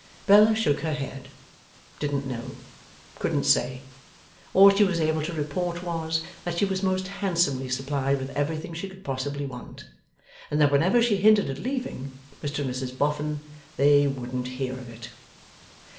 Bella shook her head. Didn't know. Couldn't say. All she was able to report was, that she was most handsomely supplied with everything she could possibly want, and that whenever she hinted at leaving Mr and Mrs Boffin, they wouldn't hear of it.